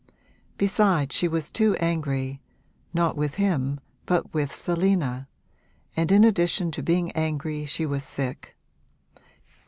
Besides she was too angry not with him but with Selina and in addition to being angry she was sick.